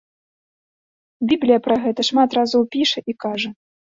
Біблія пра гэта шмат разоў піша і кажа.